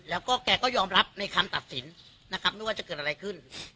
แล้วก็แกก็ยอมรับในคำตัดสินนะครับไม่ว่าจะเกิดอะไรขึ้น